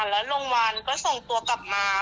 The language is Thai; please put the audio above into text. แล้วโรงพยาบาลก็ส่งตัวกลับมา